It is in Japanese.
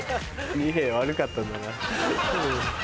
仁平悪かったんだな。